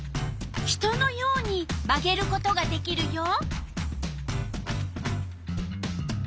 人のように曲げることができるよ。